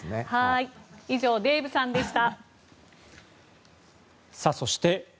以上、デーブさんでした。